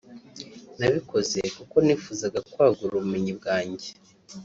Nabikoze kuko nifuzaga kwagura ubumenyi bwajye